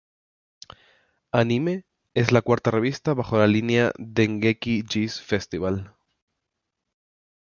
Anime" es la cuarta revista bajo la línea "Dengeki G's Festival!".